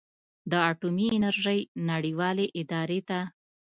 د اټومي انرژۍ نړیوالې ادارې ته